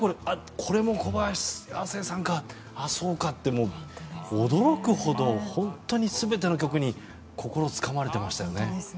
これも小林亜星さんか！って驚くほど本当に全ての曲に心つかまれていましたよね。